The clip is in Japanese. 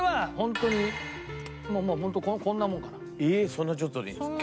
そんなちょっとでいいんですか？